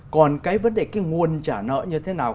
còn cái vấn đề cái nguồn trả nợ như thế nào